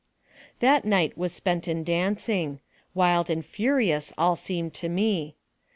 That night was spent in dancing. A\ild and furious all seemed to me.